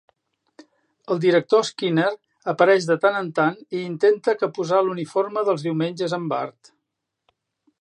El director Skinner apareix de tant en tant i intenta que posar l'uniforme dels diumenges a en Bart.